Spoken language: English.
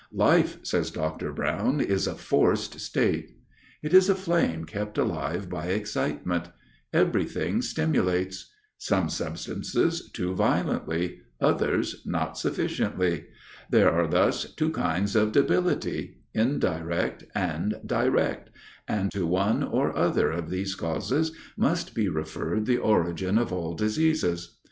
"Life," says Dr. Brown, "is a forced state;" it is a flame kept alive by excitement; every thing stimulates; some substances too violently; others not sufficiently; there are thus two kinds of debility, indirect and direct, and to one or other of these causes must be referred the origin of all diseases.